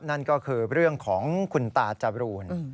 นั่นก็คือเรื่องของคุณตาจรูน